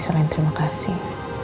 selain terima kasih